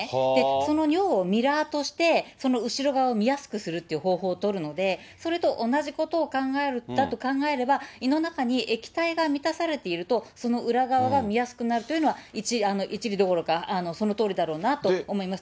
その尿をミラーとして、その後ろ側を見やすくするという方法を取るので、それと同じことだと考えれば、胃の中に液体が満たされているとその裏側が見やすくなるというのは一理、一理どころか、そのとおりだろうなと思います。